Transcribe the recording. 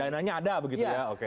layanannya ada begitu ya oke